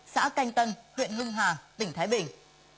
xã canh tân huyện hưng hà tỉnh thái bình